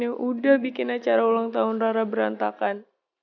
yang udah bikin acara ulang tahun rara berantakan